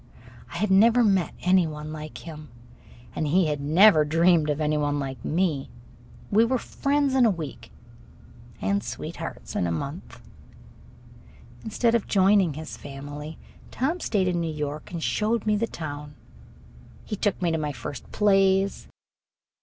I had never met any one like him, and he had never dreamed of any one like me. We were friends in a week and sweethearts in a month. Instead of joining his family, Tom stayed in New York and showed me the town. He took me to my first plays.